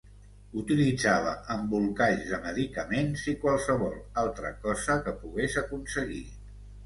Utilitzava embolcalls de medicaments i qualsevol altra cosa que pogués aconseguir.